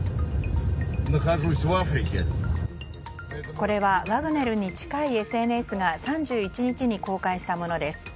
これはワグネルに近いＳＮＳが３１日に公開したものです。